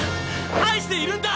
愛しているんだ！